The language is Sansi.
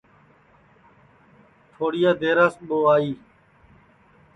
تھوڑی دیرا بعد ٻو آئی